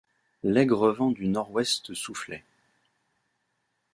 L’aigre vent du nord-ouest soufflait.